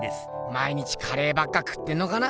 毎日カレーばっか食ってんのかな。